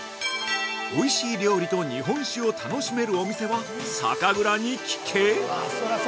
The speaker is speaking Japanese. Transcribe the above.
おいしい料理と日本酒を楽しめるお店は酒蔵に聞け？